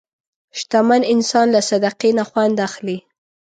شتمن انسان له صدقې نه خوند اخلي.